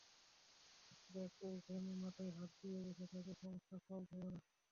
দেখ, এইখানে মাথায় হাত দিয়ে বসে থাকলে, সমস্যা সলভ হবে না।